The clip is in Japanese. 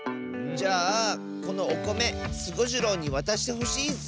じゃあこのおこめスゴジロウにわたしてほしいッス！